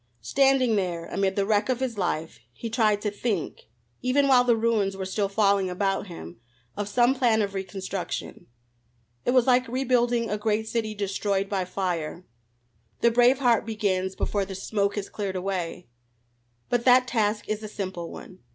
Standing there amid the wreck of his life, he tried to think, even while the ruins were still falling about him, of some plan of reconstruction. It was like rebuilding a great city destroyed by fire; the brave heart begins before the smoke has cleared away. But that task is a simple one.